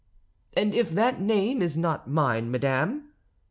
"And if that name is not mine, madame?"